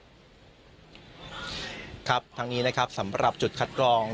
ครับทั้งนี้นะครับสำหรับจุดคัดกรอง